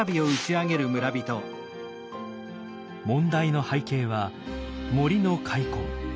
問題の背景は森の開墾。